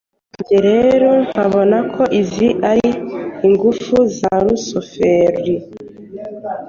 njye rero nkabona ko izi ari ingufu za rusoferi